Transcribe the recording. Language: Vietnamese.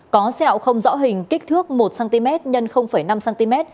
có sẹo không rõ hình kích thước một cm x năm cm